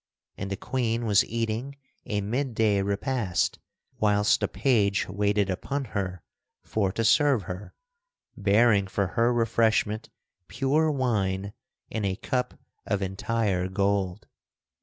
And the Queen was eating a mid day repast whilst a page waited upon her for to serve her, bearing for her refreshment pure wine in a cup of entire gold.